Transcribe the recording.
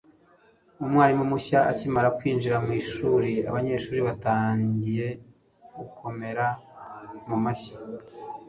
umwarimu mushya akimara kwinjira mu ishuri, abanyeshuri batangiye gukomera amashyi